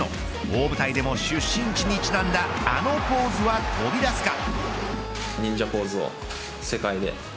大舞台でも出身地にちなんだあのポーズは飛び出すか。